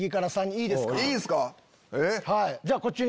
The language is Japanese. いいですか？